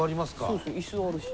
そうですね椅子あるし。